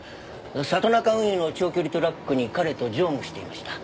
里中運輸の長距離トラックに彼と乗務していました。